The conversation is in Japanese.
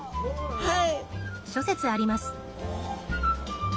はい。